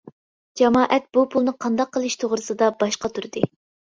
جامائەت بۇ پۇلنى قانداق قىلىش توغرىسىدا باش قاتۇردى.